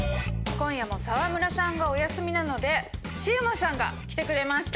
今夜も沢村さんがお休みなのでシウマさんが来てくれました。